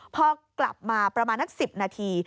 พอกลับมาประมาณนัก๑๐นาที